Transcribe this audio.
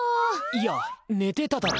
いや寝てただろ！